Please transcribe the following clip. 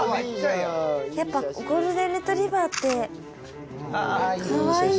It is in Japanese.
やっぱゴールデン・レトリーバーってかわいい。